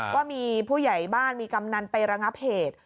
ว่ามีผู้ใหญ่บ้านมีกำนันไประงับเหตุ